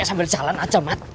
sambil jalan aja mat